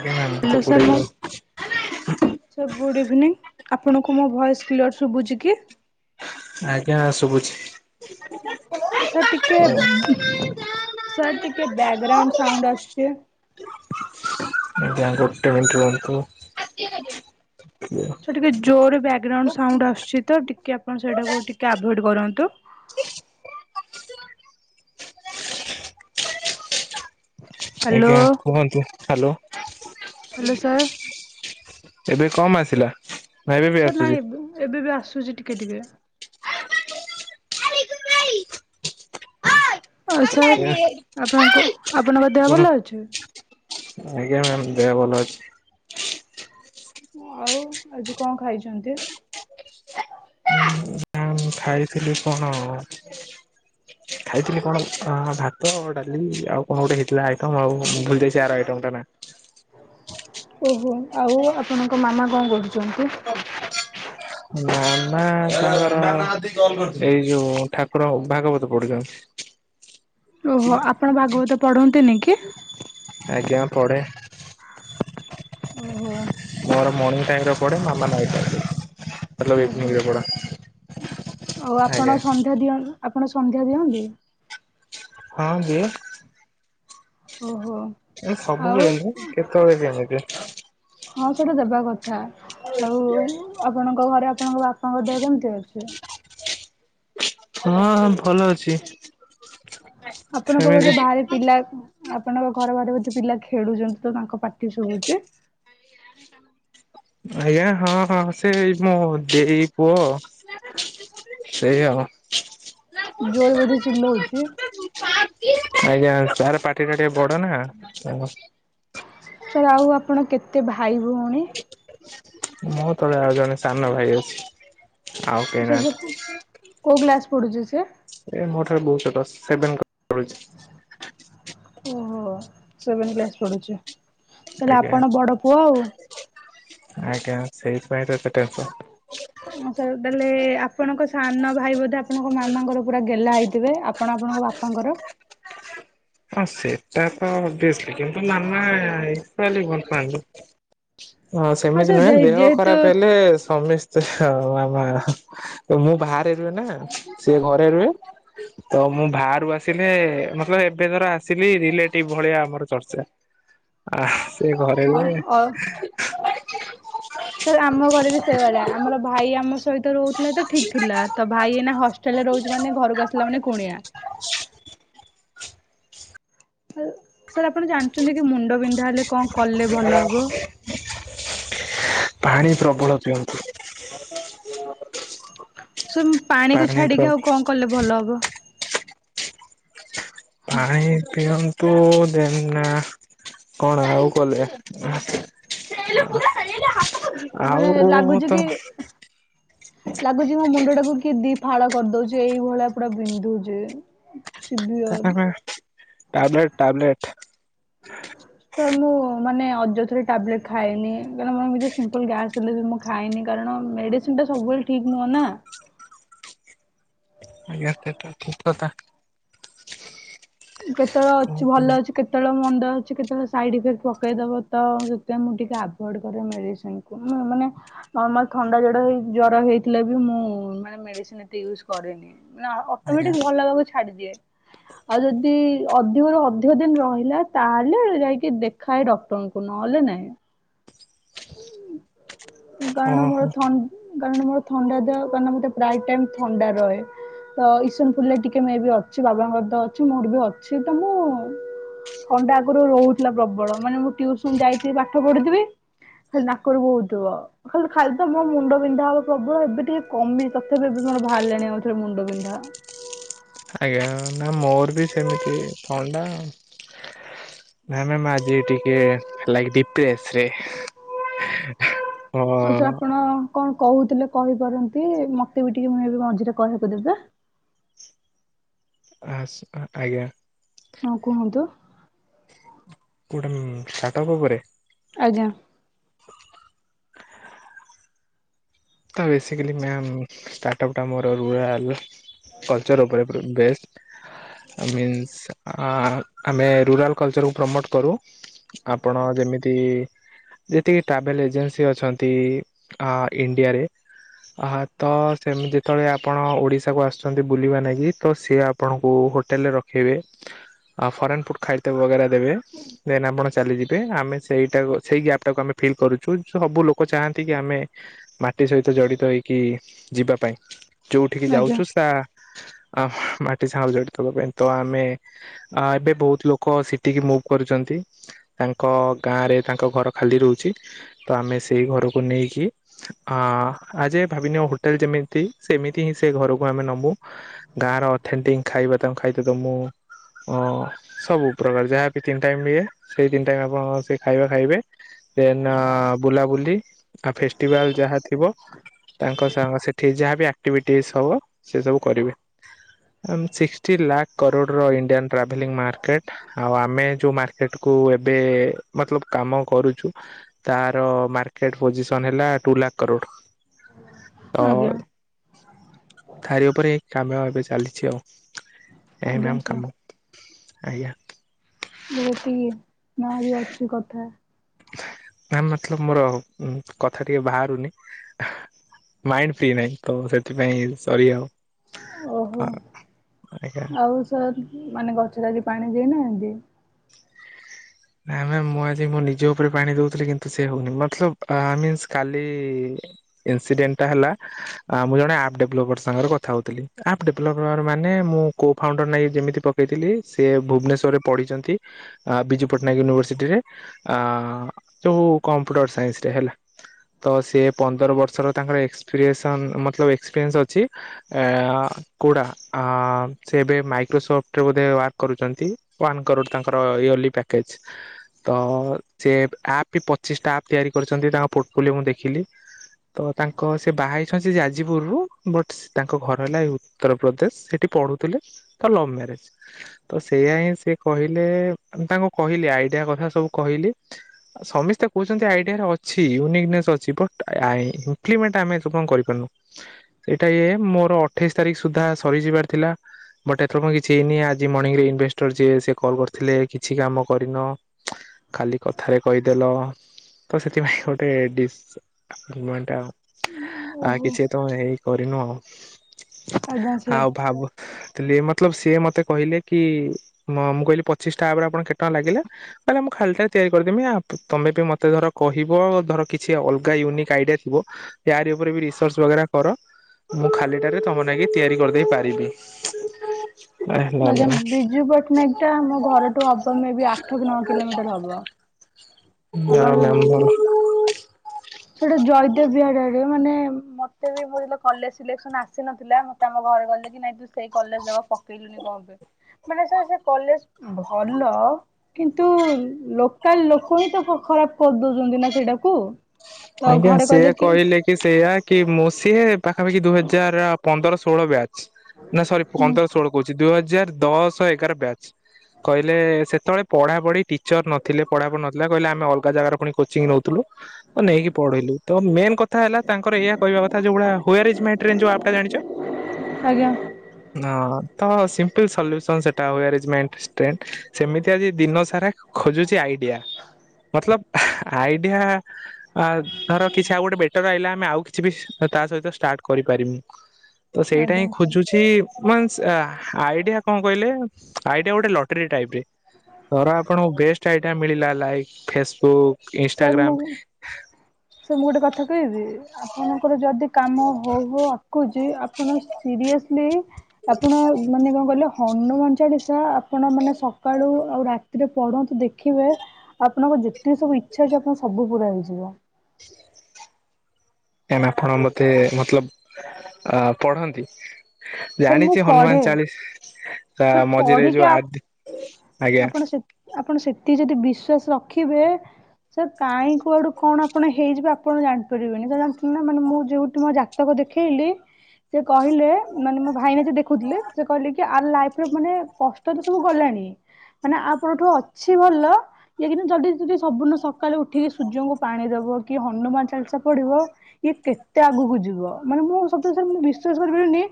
ଆଜ୍ଞା ମ୍ୟାମ୍ ତ hello sir ମୁଁ କୋଡିଏ ସାର୍ ଗୁଡ୍ ଇଭିନିଂ ଆପଣଙ୍କୁ ମୋ ଭଏସ କ୍ଲିୟର ଶୁବୁଜିକି? ଆଜ୍ଞା ଶୁଭୁଛି। ଓ ସାର୍ ଟିକେ ସାର୍ ଟିକେ ବ୍ୟାକଗ୍ରାଉଣ୍ଡ ସାଉଣ୍ଡ ଆସୁଚି। ଆଜ୍ଞା ଗୋଟେ ମିନ୍ଟି ରୁହନ୍ତୁ। ତ ଟିକେ ଜୋରରେ ବ୍ୟାଗ୍ରାଉଣ୍ଡ ସାଉଣ୍ଡ ଆସୁଚି ତ ଟିକିଏ ଆପଣ ସେଇଟାକୁ ଟିକେ ଆଭଏଡ଼୍ କରନ୍ତୁ। ହ୍ୟାଲୋ ଆଜ୍ଞା କୁହନ୍ତୁ ହ୍ୟାଲୋ। ହ୍ୟାଲୋ ସାର୍ ଏବେ କମ ଆସିଲା। ନା ଏବେ ବି ସାର୍ ନାଇଁ ଆସୁଛି? ଏବେ ଏବେ ବି ଆସୁଚି ଟିକେ ଟିକେ। ଆଉ ସାର୍ ଆପଣଙ୍କୁ ଆପଣଙ୍କ ଦେହ ଭଲ ଅଛି। ଆଜ୍ଞା ମ୍ୟାମ ଦେହ ଭଲ ଅଛି। ଆଉ ଆଜି କଁ ଖାଇଛନ୍ତି? ମୁଁ ଖାଇଥିଲି କଣ ହଁ ଖାଇଥିଲି କଣ ହଁ ହଁ ଭାତ, ଡାଲି ଆଉ କଣ ଗୋଟେ ହେଇଥିଲା ଆଇଟମ ଆଉ ଭୁଲି ଯାଇଛି ଆର ଆଇଟମଟା ନା। ଓହୋ, ଆଉ ଆପଣଙ୍କ ମାମା କଣ [unintelligible] [unintelligible] [inaudible] ମାମା ତାଙ୍କର [unintelligible] ଏଇ ଯୋଉ ଠାକୁର ଭାଗବତ ପଢ଼ୁଛନ୍ତି। ଓହୋ, ଆପଣ ଭାଗବତ ପଢନ୍ତିନି କି? ଆଜ୍ଞା ପଢେ। ଓହୋ ମୋର ମର୍ଣିଂ ଟାଇମରେ ପଢେ ମାମା ଓହୋ [unintelligible] [unintelligible] ଆଉ ଆଜ୍ଞା ଆପଣ ସନ୍ଧ୍ୟା ଦିଅ, ଆପଣ ସନ୍ଧ୍ୟା ଦିଅନ୍ତି? ହଁ ଦିଏ। ଓହୋ। ଏ ଆଉ ସବୁବେଳେ ନୁହେଁ କେତେବେଳେ କେମତି। ହଁ ସେଇଟା ଦେବା କଥା, ଆଉ ଆପଣଙ୍କ ଘରେ ଆପଣଙ୍କ ବାପାଙ୍କ ଦେହ କେମିତି ଅଛି? ହଁ ଭଲ ଅଛି। ଆପଣଙ୍କ ସେମିତି। ବୋଧେ ବାହାରେ ପିଲା, ଆପଣଙ୍କ ଘର ବାଟେ ବୋଧେ ପିଲା ଖେଳୁଛନ୍ତି ତ ତାଙ୍କ ପାଟି ଶୁଭୁଛି। ଆଜ୍ଞା ହଁ ହଁ, ସେଇ ମୋ ଦେଇ ପୁଅ ସେଇ ଆଉ ଜୋରେ ବୋଧେ ଚିଲଉଛି? [inaudible] ଆଜ୍ଞା ତାର ପାଟି ଟା ଟିକେ ବଡ ନା ସାର୍ ଆଉ ଆପଣ କେତେ ଭାଇ ଭଉଣୀ? ମୋ ତଳେ ଆଉ ଜଣେ ସାନ ଭାଇ ଅଛି। ଆଉ କେହି ସେ ନାହାନ୍ତି [unintelligible] କୋଉ କ୍ଲାସ ପଡୁଛି ସିଏ? ଏ ମୋ ଠାରୁ ବହୁତ ଦଶ୍ [unintelligible] ଓହୋ, ସେଭେନ କ୍ଲାସ ପଢୁଛି। ତାହେଲେ ଆଜ୍ଞା, ଆପଣ ବଡ ପୁଅ ଆଉ। ଆଜ୍ଞା ସେଇଥିପାଇଁ ତ ଏତେ ଟେନ୍ସ [unintelligible] ଆପଣଙ୍କ ସାନ ଭାଇ ବୋଧେ ଆପଣଙ୍କ ମାମାଙ୍କର ପୁରା ଗେଲା ହେଇଥିବେ, ଆପ୍ କଣ ଆପଣଙ୍କ ବାପାଙ୍କର ହଁ ସେଟାତ ଓଭିଅସଲି କିନ୍ତୁ ମାମା ଏଟା ବି ଭଲପାଆନ୍ତି। ହଁ ସେମିତି ସାର୍ ନୁହେଁ ଯେ ଦେହ ଯେହେତୁ ଖରାପ ହେଲେ ସମେସ୍ [unintelligible] ମୁଁ ବାହାରେ ରୁହେ ନା ସିଏ ଘରେ ରୁହେ। ତ ମୁଁ ବାହାରୁ ଆସିଲେ [unintelligible] ଏ ଧର ଆସିଲି, ରିଲେଟିଭ ଭଳିଆ ଆମର ଚର୍ଚ୍ଚା। ଆ ସେ ଘରେ ରୁହେ। ଅ ସାର୍ ଆମ ଘରେ ବି ସେଇଭଳିଆ, ଆମର ଭାଇ ଆମ ସହିତ ରହୁଥିଲାତ ଠିକ ଥିଲା। ତା ଭାଇ ଏଇନା ହଷ୍ଟେଲ ରେ ରହୁଛି ମାନେ ଘରକୁ ଆସିଲା ମାନେ କୁଣିଆ। ସାର୍ ଆପଣ ଜାଣିଛନ୍ତି କି ମୁଣ୍ଡ ବିନ୍ଧା ହେଲେ କଣ କଲେ ଭଲ ହବ? ପାଣି ପ୍ରବଳ ପିଅନ୍ତୁ। ସାର ମୁଁ ପାଣିକୁ ପାଣି ପ୍ର ଛାଡିକି ଆଉ କଣ କଲେ ଭଲ ହବ? ପାଣି ପିଅନ୍ତୁ ଦେନ୍ ନା କଣ ଆଉ କଲେ? [inaudible] [inaudible] ଆଉ ମୁତ ହଁ ଲାଗୁଚି ମୋ ମୁଣ୍ଡ ଟାକୁ କିଏ ଦି ଫାଳ କରିଦଉଚି ଏଇଭଳିଆ ପୁରା ବିନ୍ଧୁଛି। [unintelligible] Severe tablet tablet. ସାର୍ ମୁଁ ମାନେ ଅଯଥାରେ ଟ୍ୟାାବଲେଟ ଖାଏନି? କାରଣ ମୋ ଭିତରେ ସିମ୍ପଲ ଗ୍ୟାସ ମୁଁ ଖାଏନି କାରଣ ମେଡିସିନ ଟା ସବୁବେଳେ ଠିକ୍ ନୁହଁ ନା? ଆଜ୍ଞା ସେଟା ଠିକ କଥା। କେତେବେଳେ ଅଛି ଭଲ ଅଛି। କେତେଳେ ମୁଣ୍ଡ ଅଛି କେତେଳେ ସାଇଡ଼୍ ଇଫେକ୍ଟ ପକେଇ ଦବ ତ ସେଥିପାଇଁ ମୁଁ ଟିଏ ଆଭଏଡ଼୍ କରେ ମେଡ଼ିସିନକୁ। ହ ମାନେ ନର୍ମାଲ ଥଣ୍ଡା ଜଡ଼ ଜର ହେଇଥିଲେ ବି ମୁଁ ମାନେ ମେଡିସିନ ଏତେ ୟୁଜ କରେନି? ନା ଅଟୋମେଟିକ ଆଜ୍ଞା ଭଲ ହବାକୁ ଛାଡ଼ିଦିଏ। ଆଉ ଯଦି ଯଦି ଅଧିକରୁ ଅଧିକ ଦିନ ରହିଲା ତାହେଲେ ଯାଇକି ଦେଖାଏ ଡକ୍ଟରଙ୍କୁ ନହେଲେ ନାଇଁ। କାରଣ ମୋର ଓହୋ ଥ କାରଣ ମୋର ଥଣ୍ଡା ଦେହ କାରଣ ମତେ ପ୍ରାୟ ଟାଇମ ଥଣ୍ଡା ରହେ। ତ ଇସନ ଫୁଲିଆ ଟିକେ ମେ ବି ଅଛି ବାବାଙ୍କର ଅଛି ମୋର ବି ଅଛି ତ ମୁଁ ଥଣ୍ଡା ଆଗୁରୁ ରହୁଥିଲା ପ୍ରବଳ। ମାନେ ମୁଁ ଟ୍ୟୁସନ ଯାଇଥିବି ପାଠ ପଢୁଥିବି ଖାଲି ନାକରୁ ବହୁଥିବ। ଖାଲି ଖାଲି ତ ମୋ ମୁଣ୍ଡ ବିନ୍ଧା ହବ ପ୍ରବଳ ଏବେ ଟିକେ କମି ତଥାପି ଏ ମୋର ବାହାରିଲେଣି ଆଉଥରେ ମୁଣ୍ଡ ବିନ୍ଧା। ଆଜ୍ଞା, ନା ମୋର ବି ସେମିତି ଥଣ୍ଡା ନା ନା ମୁଁ ଆଜି ଟିକେ ଲାଗି ଟିକେ ପ୍ରେସରେ ଆଉ ସାର୍ ଆପଣ କଣ କହୁଥିଲେ କହିପାରନ୍ତି। ମତେ ବି ଟିକେ ମୁଁ ଏବେ ମଝିରେ କହିବାକୁ ଦେବେ? ଆ ଆଜ୍ଞା। ହଉ କୁହନ୍ତୁ। କିଏ ଗୁଟେ ସାଟପ ଉପରେ। ଆଜ୍ଞା। ତ ବେସିକାଲି ମ୍ୟାମ୍ ଷ୍ଟାର୍ଟଅପ୍ଟା ମୋର ରୁରାଲ କଲଚର ଉପରେ ପୁରା ବେଷ୍ଟ। ମିନ୍ସ ଆମେ ରୁରାଲ କଲଚରକୁ ପ୍ରମୋଟ କରୁ। ଆପଣ ଯେମିତି ଯେତିକି ଟ୍ରାଭେଲ ଏଜେନ୍ସି ଅଛନ୍ତି ଆ ଇଣ୍ଡିଆରେ ଆ ତ ସେମତି ଯେତେବେଳେ ଆପଣ ଓଡିଶାକୁ ଆସୁଛନ୍ତି ବୁଲିବା ନାଗି ତ ସେ ଆପ ଆପଣଙ୍କୁ ହୋଟେଲରେ ରଖିବେ ଆ ଫରେନ୍ ଫୁଡ଼୍ ଖାଇତ ବଗେରା ଦେବେ। ଦେନ ଆପଣ ଚାଲିଯିବେ ଆମେ ସେଇଟାକୁ ସେଇ ଗ୍ୟାପଟାକୁ ଆମେ ଫିଲ୍ କରୁଚୁ। ସବୁ ଲୋକ ଚାହାନ୍ତି କି ଆମେ ଟି ସହିତ ଜଡ଼ିତ ହେଇକି ଯିବା ପାଇଁ ଯଉଠିକି ଆଜ୍ଞା ଯାଉଚୁ ତା ଆ ମାଟି ସାଙ୍ଗେ ଜଡିିତ ହେବା ପାଇଁ ତ ଆମେ ଆ ଏବେ ବହୁତ ଲୋକ ସେଟିକି ମୁଭ କରୁଚନ୍ତି। ତାଙ୍କ ଗାଁରେ ତାଙ୍କ ଘର ଖାଲି ରହୁଚି। ତ ଆମେ ସେଇ ଘରକୁ ନେଇକି - - ଅ ଆଜି ଭାବିନିଅ ହୋଟେଲ ଯେମିତି ସେମିତି ହିଁ ସେ ଘରକୁ ଆମେ ନବୁ। ଗାଁ ର ଅଥେଣ୍ଟିକ ଖାଇବା ତାଙ୍କୁ ଖାଇଥା ଦମୁ। ହ ସବୁ ପ୍ରକାର ଯାହାବି ତିନି ଟାଇମ ହଏ ସେଇ ତିନି ଟାଇମ୍ ଆପଣ ସେ ଖାଇବା ଖାଇବେ। ଦେନ୍ ବୁଲାବୁଲି ଫେଷ୍ଟିଭାଲ ଯାହା- - ଥିବ। ତାଙ୍କ ସାଙ୍ଗ ସେଠି ଯାହାବି ଆକ୍ଟିଭିଟି ହବ ସେ ସବୁ କରିବେ। ଆ ସିକ୍ସଟି ଲାଖ କରୋଡ଼ର ଇଣ୍ଡିଆନ୍ ଟ୍ରାଭେଲିଂ ମାର୍କେଟ୍। ଆଉ ଆମେ ଯୋଉ ମାର୍କେଟ କୁ ଏବେ ମତଲବ କାମ କରୁଚୁ। ତାର ମାର୍କେଟ ପୋଜିସନ ହେଲା ଟୁ ଲାଖ କରୋଡ଼ ତ ଆଜ୍ଞା ଖାରି ଉପରେ ଏଇ କାମ ଏବେ ଚାଲିଚି ଆଉ। ଏ ଆଜ୍ଞା ମ୍ୟାମ୍ ସାର୍। - - ଆଜ୍ଞା ନା ଏତିକି ନା ଅଛି କଥା? ନା ମତଲବ ମୋର ଉଁ କଥା ଟିକେ ବାହାରୁନି। ମାଇଣ୍ଡ ଫ୍ରି ନହିଁ ତ ସେଥିପାଇଁ ସରି ଆଉ। ଓହୋ [unintelligible] ନା ମ୍ୟାମ ମୁଁ ଆଜି ମୋ ନିଜ ଉପରେ ପାଣି ଦଉଥିଲି କିନ୍ତୁ ସେ ହଉନି ମତଲବ ଆଁ ମିନ୍ସ କାଲି। ଇନ୍ସିଡେଣ୍ଟ୍ଟା ହେଲା। ଆ ମୁଁ ଜଣେ ଆପ୍ ଡେଭଲପର ସାଙ୍ଗରେ କଥା ହଉଥିଲି ଆପ୍ ଡେଭଲପର ମାନେ ମୁଁ କୋ ଫାଉଣ୍ଡର ନାଇଁ ଯେମିତି। ପକେଇ ଥିଲି ସେ ଭୁବନେଶ୍ଵରରେ ପଢିଛନ୍ତି ଆ ବିଜୁ ପଟ୍ଟନାୟକ ୟୁନିଭରସିଟି ରେ ଆ ଯୋଉ କମ୍ପୁଟର ସାଇନ୍ସରେ ହେଲା। ତ ସିଏ ପନ୍ଦର ବର୍ଷର ତାଙ୍କର ଏକ୍ସପ୍ରିଏସନ୍ ମତଲବ ଏକ୍ସପ୍ରିଏନ୍ସ ଅଛି। ଏ ଆ କୋଉଟା ଆ‌ ସେ ଏବେ ମାଇକ୍ରୋସଫ୍ଟରେ ବୋଧେ ୱାର୍କ କରୁଛନ୍ତି। ୱାନ୍ କରୋଡ ତାଙ୍କର ଇୟରଲି ପ୍ୟାକେଜ। ତ ସେ ଆପ୍ ବି ପଚିଶଟା ଆପ୍ ତିଆରି କରିଛନ୍ତି ତାଙ୍କ ପୋର୍ଟଫୋଲିଓ ମୁଁ ଦେଖିଲି। ତ ତାଙ୍କ ସେ ବାହା ହେଇଛନ୍ତି ସେଇ ଯାଜପୁରରୁୁ ବଟ ତାଙ୍କ ଘର ହେଲା ଏଇ ଉତ୍ତରପ୍ରଦେଶ ସେଠି ପଢୁଥିଲେ ତାଙ୍କର ଲଭ ମ୍ୟାରେଜ। ତ ସେଇଆ ହିଁ ସେ କହିଲେ ତାଙ୍କୁ କହିଲି ଆଇଡିଆ କଥା ସବୁ କହିଲି। ସମିସ୍ତେ କହୁଛନ୍ତି ଆଇଡିଆରେ ଅଛି ୟୁନିକନେସ୍ ଅଛି ବଟ୍ ଆଇ ଇମ୍ପ୍ଲିମେଣ୍ଟ ଆମେ ଆପଣଙ୍କୁ କରି ପାରୁନୁ ସେଇଟା ଇଏ ମୋର ଅଠେଇଶି ତାରିଖ ସୁଦ୍ଧା ସରିଯିବାର ଥିଲା। ବଟ୍ ଏଥର ମୁଁ କିଛି ହେଇନି ଆଜି ମର୍ଣିଂ ରେ ଇନଭେଷ୍ଟର ଯିଏ ସେ କଲ୍ କରିଥିଲେ କିଛି କାମ। କରିନ ଖାଲି କଥାରେ କହିଦେଲ ତ ସେଥିପାଇଁ ଗୋଟେ ଡିସ୍ ଗିଲୱଣ୍ଟ ଆଉ ଆ ଓହୋ କିଛି ଏତେ ବେଳେ ତାଙ୍କେ ଏଇ କରିନୁ ଆଉ। ଆଜ୍ଞା ସାର୍ ଆଉ ଭାବୁ। ଥିଲି ମତଲବ ସିଏ ମତେ କହିଲେ କି ମ ମୁଁ କହିଲି ପଚିଶ ଆପରେ ଆପଣ କେତେ ଟଙ୍କା ଲାଗିଲା। କହିଲେ ମୁଁ ଖାଲିଟା ତିଆରି କରିଦେମି ତମେ ବି ମତେ ଧର କହିବ ଧର କିଛି ଅଲଗା ୟୁନିକ୍ ଆଇଡିଆ ଥିବ। ୟାରି ଉପରେ ବି ରିସର୍ଚ୍ଚ ବେଗେରା କର। ମୁଁ ଖାଲି ଟାରେ ତମ ନାଗି ତିଆରି କରିଦେଇ ପାରିବି। ହେଲା ମ୍ୟାମ ଆଜ୍ଞା ହଁ ବିଜୁ ପଟ୍ଟନାୟକ ଟା ମୋ ଘରଠୁ ହବ ମେ ବି ଆଠ କ ନଅ କିଲୋମିଟର ହବ। ଆପଣ ଯୋଉ [unintelligible] ସେଇଟା ଜୟଦେବ ବିହାର ଆଡେ ମାନେ ମତେ ବି ମୋର ଯେତେବେଳେ କଲେଜ ସିଲେକସନ ଆସିନଥିଲା ମତ୍ ତ ଆମ ଘରେ କହିଲେ କି ନାଇଁ ତୁ ସେଇ କଲେଜ ଜାମା ପକେଇଲୁନି କଁ ପାଇଁ। ମାନେ ସାର୍ ସେ କଲେଜ ଭଲ କିନ୍ତୁ ଲୋ କାଲ ଲୋକ ହିଁ ତ ଖରାପ କରିଦଉଛନ୍ତି ନା ସେଇଟାକୁ। ଆଜ୍ଞା ସିଏ କହିଲେ କି। କି ସେଇୟା କି ମୁ ସିିଏ ପାଖାପାଖି ଦୁଇ ହଜାର ପନ୍ଦର ଷୋହଳ ବ୍ୟାଚ୍। ନା ସରି ହୁଁ ପନ୍ଦର ଷୋହଳ କହୁଛି ଦୁଇ ହଜାର ଦଶ ଏ ଗାର‌ ବ୍ୟାଚ୍ କହିଲେ ସେତେବେଳେ ପଢା ପଢି ଟିଚର ନଥିଲେ ପଢା ପଢି ନଥିଲା କହିଲେ ଆମେ ଅଲ ଗା ଜାଗାରେ ପୁଣି କୋଚିଂ ନଉଥିଲୁ ତ ନେଇକି ପଢିଲୁ ତ ମେନ କଥା କଥା ହେଲା ତାଙ୍କର ଏଇଆ କହିବା କଥା ଯୋଉ ଗୋଟା ହୋୟାର ଇଏ ମାଇଁ ଟ୍ରେନ ଯୋଉ ଆପଟା ଜାଣିଛ। ଆଜ୍ଞା ହଁ ତ ସିମ୍ପୁଲ ସଲୁସନ ସେଟା ହୋୟାର ଆମ ମାଇଁ ର୍ଷ୍ଟେନ ସେମିତି ଆଜି ଦିନ ସାରା। ଖୋଜୁଛି ଆଇଡିଆ ମତଲବ ଆଇଡିଆ। ଆ ଧର କିଛି ଆଉ ଗୋଟେ ବେଟର ଆଇଲା ଆମେ ଆଉ କିଛି ବି ତା ସହିତ ଷ୍ଟାର୍ଟ କରି ପାରିମୁ। ତ ସେଇଟା ଆଜ୍ଞା ହିଁ ଖୋଜୁଛି। ୱନସ ଆଇଡିଆ କଁ କହିଲେ ଆଇଡିଆ ଗୋଟେ ଲଟେରୀ ଟାଇପ ରେ। ଧର ଆପଣଙ୍କୁ ବେଷ୍ଟ ଆଇଡିଆ ମିଳିଲା ଲାଇକ୍ ଫେସବୁକ୍ ସାର୍ ମୁଁ ଇନାଗ୍ରାମ। ସାର୍ ମୁଁ ଗୋଟେ କଥା କହିବି ଆପଣଙ୍କର ଯଦି କାମ ହଉ ହଉ ଅଟକୁଛି। ଯଦି ଆପଣଙ୍କୁ ସିରିଏସଲି ଆପଣ ମାନେ କଣ କହିଲେ ହନୁମାନ ଚାଳିଶା। ଆପଣ ମାନେ ସକାଳୁ ଆଉ ରାତି ସେଥିରେ ପଢନ୍ତୁ ଦେଖିବେ ଆପଣଙ୍କ ଯେତିକି ସବୁ ଇଚ୍ଛା ଅଛି ଆପଣ ସବୁ ପୁରା ହେଇଯିବ। [unintelligible] ଏମ ଆପଣ ମତେ ମତଲବ ଅ ପଢନ୍ତି। ସାର୍ ମୁଁ ଜାଣିଛି ହନୁମାନ ପଢେ ଚାଳିଶ ସାର୍ ମଝିରେ ଏ ଯୋଉ ପଢିକି ଆଠ ଆଜ୍ଞା। ଆପଣ ସେ ଆପଣ ସେତିକି ଯଦି ବିଶ୍ୱାସ ରଖିବେ ସାର୍ କାହିଁ କୁଆଡୁ କଣ ଆପଣ ହେଇଯିବ ଆପଣ ଜାଣିପାରିବେନି ତ ଜାଣିଥିଲେ ନା ମାନେ ମୁଁ ଯୋଉଠି ମୋ ଜା ଜାତକ ଦେଖେଇଲି ସେ କହିଲେ ମାନେ ମୋ ଭାଇନା ଯିଏ ଦେଖୁଥିଲେ ସେ କହିଲେ କି ଆର ଲାଇଫ ମାନେ କଷ୍ଟ ତ ସବୁ ଗଲାଣି ମାନେ ଆପରଠୁ ଅଛି ଭଲ ଇଏ କିନ୍ତୁ ଯଦି ଯଦି ସବୁଦନ ସକାଳେୁ ଉଠିକି ସୂର୍ଯ୍ୟଙ୍କୁ ପାଣି ଦବ କି ହନୁମାନ ଚାଲିସା ପଡିବ ଇଏ କେତେ ଆଗକୁ ଯିବ ମାନେ ମୁଁ ସତ କଥା ମୁଁ ବିଶ୍ଵାସ କରିପାରେନି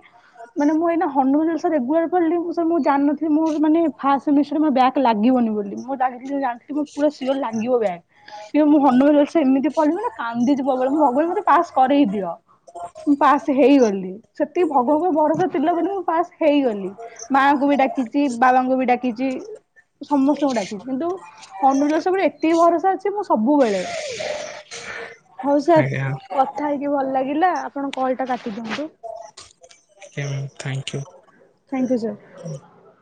ମାନେ ମୁଁ ଏଇନା ହନୁମାନ ଚାଳିଶା ରେଗୁଲାର ପଢିଲି ମୁଁ ଜାଣିନଥିଲି ମୋର ମାନେ ଫାଷ୍ଟ ସେମିଷ୍ଟାର ମୋର ବ୍ୟାଗ ଲାଗିବନି ବୋଲି ମୁଁ ଲି ଜାଣିଥିଲି ପୁରା ଶିଉର ଲାଗିବ ବ୍ୟାକ। କି ମୁଁ ହନୁମାନ ଚାଳିଶା ଏମିତି ପଢିଲି ମାନେ କାନ୍ଦିିଚି ପ୍ରବଳ ଭଗବାନ ମୋତେ ପାସ୍ କରେଇ ଦିଅ। ମୁଁ ପାସ୍ ହେଇଗଲି ସେତିକି ଭଗବାନଙ୍କ ଭରସା ଥିଲାବୋଲି ମୁଁ ପାସ୍ ହେଇଗଲି। ମାଙ୍କୁ ବି ଡାକିଛି ବାବାଙ୍କୁ ବି ଡାକିଛି। ସମସ୍ତଙ୍କୁ ଡାକିଛି କିନ୍ତୁ ଅନୁର ସବୁବେଳେ ଏତିକି ଭରସା ଅଛି ମୁଁ ସବୁବେଳେ। ହଉ ସାର୍ ଆଜ୍ଞା କଥା ହେଇକି ଭଲ ଲାଗିଲା ଆପଣ କଲ ଟା କାଟିଦିଅନ୍ତୁ। Thank you. Thank you sir.